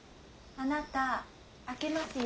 ・あなた開けますよ。